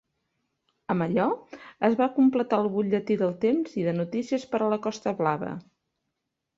Amb allò es va completar el butlletí del temps i de notícies per a la Costa Blava.